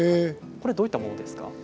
これ、どういったものですか？